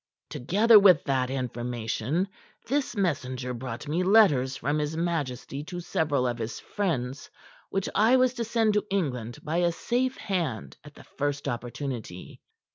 "Together with that information, this messenger brought me letters from his majesty to several of his friends, which I was to send to England by a safe hand at the first opportunity.